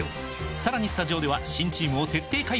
さらにスタジオでは新チームを徹底解剖！